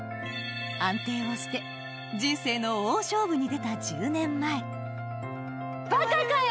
安定を捨て人生の大勝負に出た１０年前バカかよ！